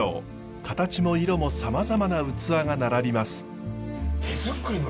形も色もさまざまな器が並びます。